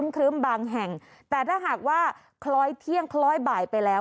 ครึ้มบางแห่งแต่ถ้าหากว่าคล้อยเที่ยงคล้อยบ่ายไปแล้ว